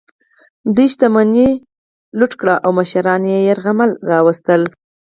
دوی شتمني یې لوټ کړه او مشران یې یرغمل راوستل.